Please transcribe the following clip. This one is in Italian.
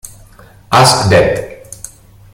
Ask Dad